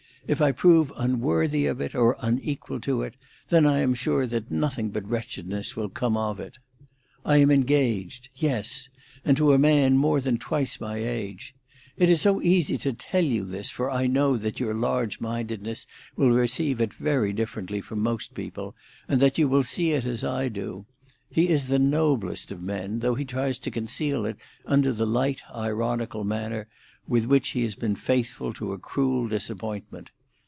If I prove unworthy of it or unequal to it, then I am sure that nothing but wretchedness will come of it. "I am engaged—yes!—and to a man more than twice my own age. It is so easy to tell you this, for I know that your large mindedness will receive it very differently from most people, and that you will see it as I do. He is the noblest of men, though he tries to conceal it under the light, ironical manner with which he has been faithful to a cruel disappointment.